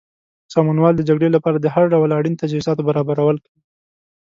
سمونوال د جګړې لپاره د هر ډول اړین تجهیزاتو برابرول کوي.